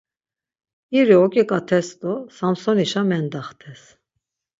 İri oǩiǩates do Samsonişa mendaxtes.